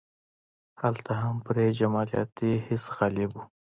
هلته هم پرې جمالیاتي حس غالب و.